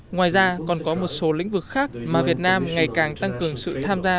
ngoài ra còn có một số lĩnh vực khác mà việt nam ngày càng tăng cường sự tham gia